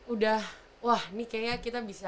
udah wah ini kayaknya kita bisa